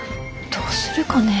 どうするかね。